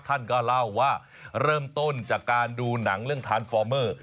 ท่านก็เล่าว่าเริ่มต้นจากการดูหนังเรื่องทานฟอร์เมอร์